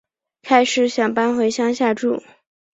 开始想搬回乡下住